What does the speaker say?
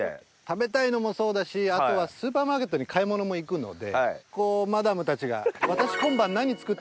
食べたいのもそうだしあとはスーパーマーケットに買い物も行くのでマダムたちが「私」。